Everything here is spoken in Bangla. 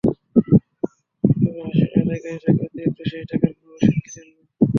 কিন্তু হাসিল আদায়কারী তাঁকে অতিরিক্ত সেই টাকার কোনো রসিদ দিলেন না।